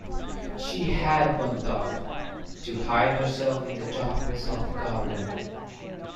She had one thought — to hide herself in the darkness of the garden.